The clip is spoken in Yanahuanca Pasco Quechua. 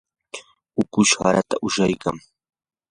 ukush haraata ushashqam.